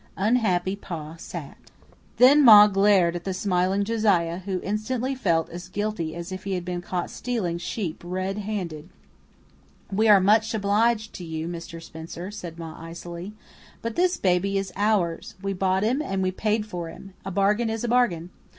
Unhappy Pa sat. Then Ma glared at the smiling Josiah, who instantly felt as guilty as if he had been caught stealing sheep red handed. "We are much obliged to you, Mr. Spencer," said Ma icily, "but this baby is OURS. We bought him, and we paid for him. A bargain is a bargain.